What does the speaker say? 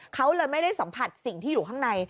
เขาเลยไม่ได้สัมผัสสิ่งที่อยู่ข้างใน